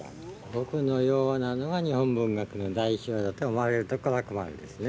僕のようなのが、日本文学の代表だと思われると困るんですね。